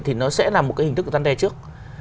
thì nó sẽ là một cái hình thức răn đe trước